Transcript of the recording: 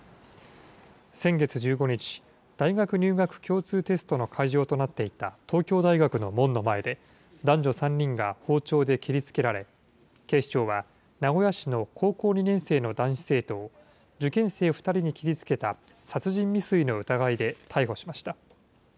先月１５日、大学入学共通テストの会場となっていた東京大学の門の前で、男女３人が包丁で切りつけられ、警視庁は名古屋市の高校２年生の男子生徒を受験生２人に切りつけた殺人未遂の疑いで逮捕しました。